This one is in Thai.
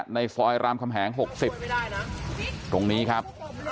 ในซอยรามคำแหง๖๐ตรงนี้ครับ